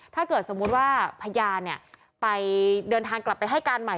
ถ้าเกิดสมมุติว่าพยานไปเดินทางกลับไปให้การใหม่